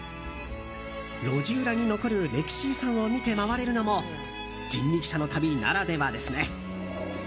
路地裏に残る歴史遺産を見て回れるのも人力車の旅ならではですね。